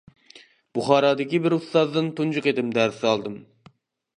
بۇخارادىكى بىر ئۇستازدىن تۇنجى قېتىم دەرس ئالدىم.